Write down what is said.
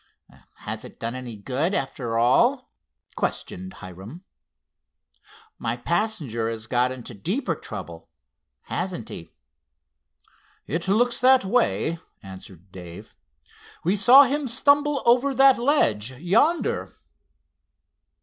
"Has it done any good, after all?" questioned Hiram. "My passenger has got into deeper trouble; hasn't he?" "It looks that way," answered Dave. "We saw him stumble over that ledge yonder."